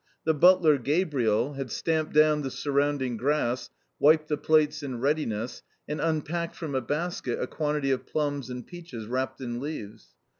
The butler, Gabriel, had stamped down the surrounding grass, wiped the plates in readiness, and unpacked from a basket a quantity of plums and peaches wrapped in leaves.